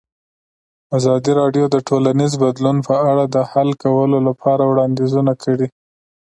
ازادي راډیو د ټولنیز بدلون په اړه د حل کولو لپاره وړاندیزونه کړي.